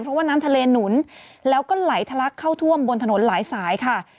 เพราะว่าน้ำทะเลหนุนแล้วก็ไหลทะลักเข้าท่วมบนถนนหลายสายค่ะ